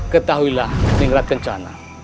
ketahuilah mingrat kencana